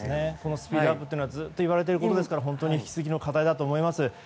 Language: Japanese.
スピードアップはずっと言われていることですから本当に引き続きの課題だと思います。